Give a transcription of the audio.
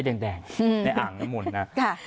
ได้แดงในอ่างและหมุนนะ